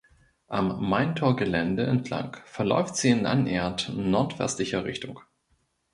Am Maintor-Gelände entlang verläuft sie in annähernd nordwestlicher Richtung.